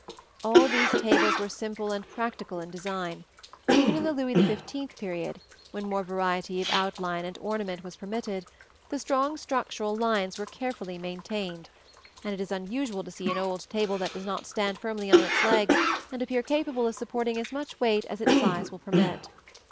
All these tables were simple and practical in design: even in the Louis XV period, when more variety of outline and ornament was permitted, the strong structural lines were carefully maintained, and it is unusual to see an old table that does not stand firmly on its legs and appear capable of supporting as much weight as its size will permit (see Louis XV writing table in Plate XLVI).